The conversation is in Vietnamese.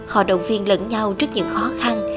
họ động viên lẫn nhau trước những khó khăn